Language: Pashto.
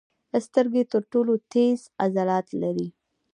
سترګې تر ټولو تېز عضلات لري.